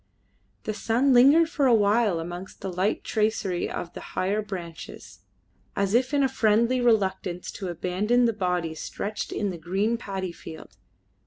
The sun lingered for a while amongst the light tracery of the higher branches, as if in friendly reluctance to abandon the body stretched in the green paddy field.